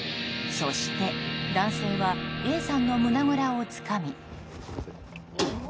そして、男性はＡさんの胸ぐらをつかみ。